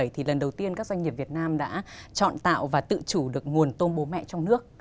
thì lần đầu tiên các doanh nghiệp việt nam đã chọn tạo và tự chủ được nguồn tôm bố mẹ trong nước